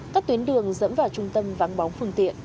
các tuyến đường dẫn vào trung tâm vắng bóng phương tiện